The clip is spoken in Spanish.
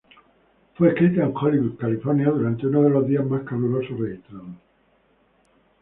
Fue escrita en Hollywood, California, durante uno de los días más calurosos registrados.